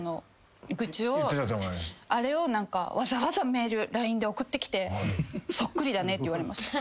あれをわざわざＬＩＮＥで送ってきて「そっくりだね」って言われました。